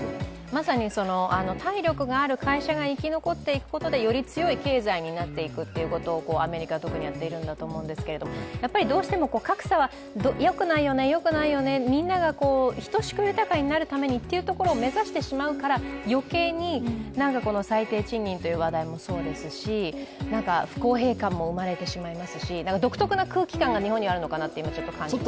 まさに体力がある会社が生き残っていくことでより強い経済になっていくということはアメリカはやっているんだと思いますけどどうしても格差はよくないね、みんなが等しく豊かなになるようにというところを目指してしまうから、余計に最低賃金という話題もそうですし、不公平感も生まれてしまいますし、日本は独特な空気感があると思います。